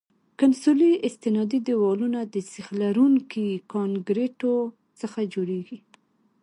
کنسولي استنادي دیوالونه د سیخ لرونکي کانکریټو څخه جوړیږي